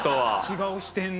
違う視点で。